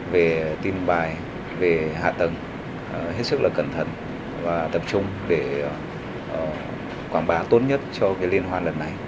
về tin bài về hạ tầng hết sức là cẩn thận và tập trung để quảng bá tốt nhất cho liên hoan lần này